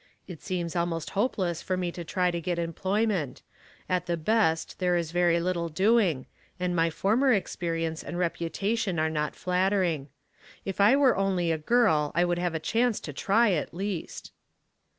''It seems almost hopeless for me to try to get employment ; at the best there is very little doing, and my former experience and repu tation are not flattering. If I were only a girl I would have a chance to try at least."